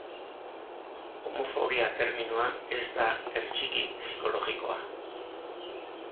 Homofobia terminoa ez da hertsiki psikologikoa.